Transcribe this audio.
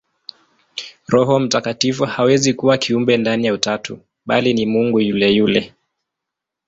Roho Mtakatifu hawezi kuwa kiumbe ndani ya Utatu, bali ni Mungu yule yule.